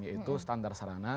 yaitu standar serana